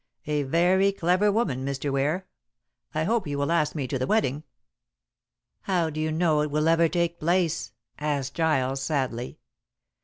A very clever woman, Mr. Ware. I hope you will ask me to the wedding." "How do you know it will ever take place?" asked Giles sadly.